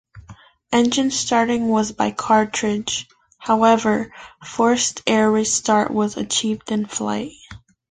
Engine starting was by cartridge, however, forced air restart was achieved in flight.